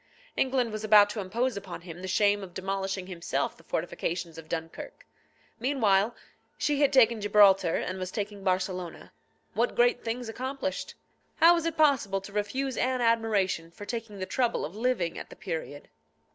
England was about to impose upon him the shame of demolishing himself the fortifications of Dunkirk. Meanwhile, she had taken Gibraltar, and was taking Barcelona. What great things accomplished! How was it possible to refuse Anne admiration for taking the trouble of living at the period?